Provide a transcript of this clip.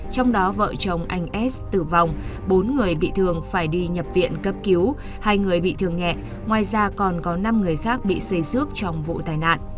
trong đó vợ chồng anh s tử vong bốn người bị thương phải đi nhập viện cấp cứu hai người bị thương nhẹ ngoài ra còn có năm người khác bị xây xước trong vụ tai nạn